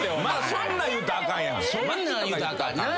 そんなん言うたらあかんな。